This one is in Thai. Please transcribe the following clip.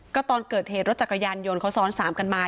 ก็ตอนเกิดเหตุรถจักรยานยนต์เขาซ้อนสามกันมา